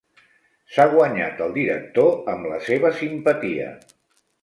S'ha guanyat el director amb la seva simpatia.